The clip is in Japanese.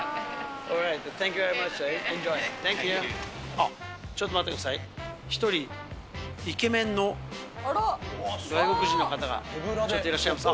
あっ、ちょっと待ってください、１人、イケメンの外国人の方がちょっといらっしゃいます。